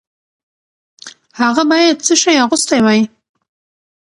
هغه باید څه شی اغوستی وای؟